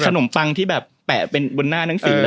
ปังที่แบบแปะเป็นบนหน้าหนังสือ